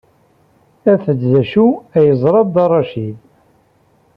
Af-d d acu ay yeẓra Dda Racid.